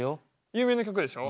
有名な曲でしょ？